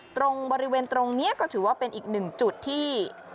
ตรงบริเวณตรงนี้ก็ถือว่าเป็นอีกหนึ่งจุดที่